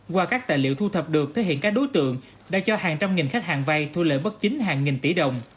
qua các tài liệu thu thập được thể hiện các đối tượng đã cho hàng trăm nghìn khách hàng vay thu lợi bất chính hàng nghìn tỷ đồng